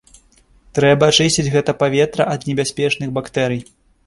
Трэба ачысціць гэта паветра ад небяспечных бактэрый.